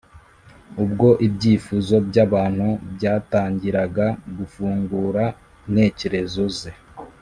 Ubwo ibyifuzo by’abantu byatangiraga gufungura intekerezo ze